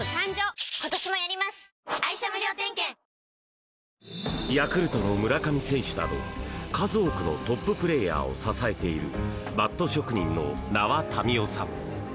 ぷはーっヤクルトの村上選手など数多くのトッププレーヤーを支えているバット職人の名和民夫さん。